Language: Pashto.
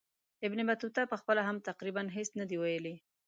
ابن بطوطه پخپله هم تقریبا هیڅ نه دي ویلي.